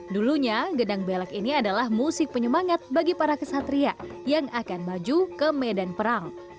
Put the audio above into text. dulunya gedang belak ini adalah musik penyemangat bagi para kesatria yang akan maju ke medan perang